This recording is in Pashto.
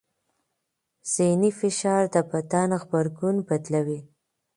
ذهني فشار د بدن غبرګون بدلوي.